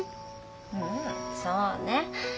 うんそうね。